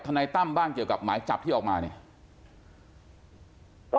นายตั้มบ้างเกี่ยวกับหมายจับที่ออกมาเนี่ย